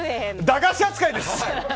駄菓子扱いです。